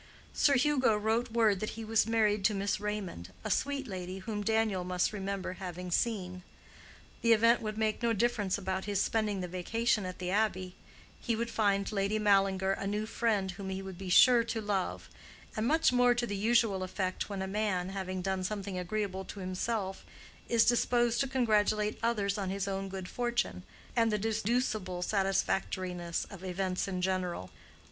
Sir Hugo wrote word that he was married to Miss Raymond, a sweet lady, whom Daniel must remember having seen. The event would make no difference about his spending the vacation at the Abbey; he would find Lady Mallinger a new friend whom he would be sure to love—and much more to the usual effect when a man, having done something agreeable to himself, is disposed to congratulate others on his own good fortune, and the deducible satisfactoriness of events in general.